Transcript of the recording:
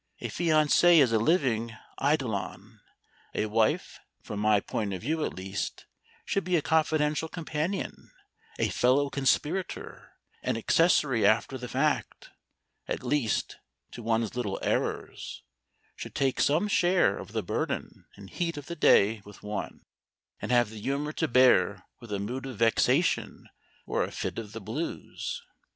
A fiancée is a living eidolon; a wife, from my point of view at least, should be a confidential companion, a fellow conspirator, an accessory after the fact, at least, to one's little errors; should take some share of the burthen and heat of the day with one, and have the humour to bear with a mood of vexation or a fit of the blues.